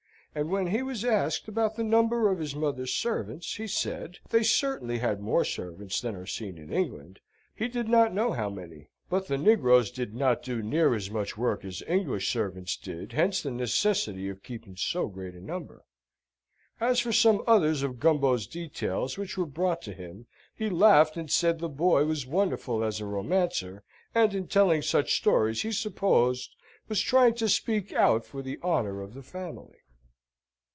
And when he was asked about the number of his mother's servants, he said, they certainly had more servants than are seen in England he did not know how many. But the negroes did not do near as much work as English servants did hence the necessity of keeping so great a number. As for some others of Gumbo's details which were brought to him, he laughed and said the boy was wonderful as a romancer, and in telling such stories he supposed was trying to speak out for the honour of the family.